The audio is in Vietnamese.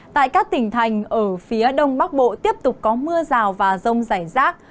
tại các tỉnh thành ở phía đông bắc bộ tiếp tục có mưa rào và rông rải rác